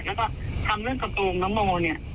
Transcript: แล้วก็ทำเรื่องกระโปรงน้องโมเนี่ย